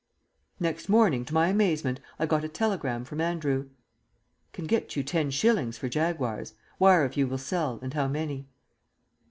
Next morning to my amazement I got a telegram from Andrew. "Can get you ten shillings for Jaguars. Wire if you will sell, and how many."